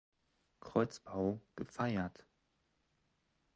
Kreuzbau gefeiert.